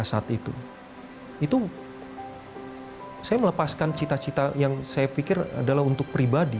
saya melepaskan cita cita yang saya pikir adalah untuk pribadi